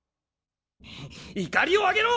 いかりを揚げろ！